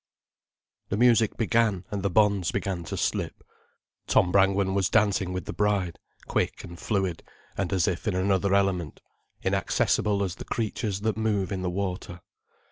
The music began, and the bonds began to slip. Tom Brangwen was dancing with the bride, quick and fluid and as if in another element, inaccessible as the creatures that move in the water.